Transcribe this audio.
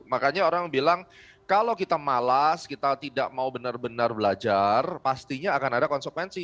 makanya orang bilang kalau kita malas kita tidak mau benar benar belajar pastinya akan ada konsekuensi